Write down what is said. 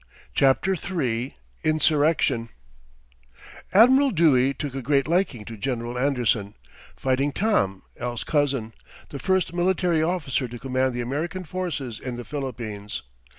CHAPTER III INSURRECTION Admiral Dewey took a great liking to General Anderson, "Fighting Tom" (L.'s cousin), the first military officer to command the American forces in the Philippines.